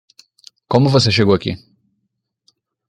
Como você chegou aqui?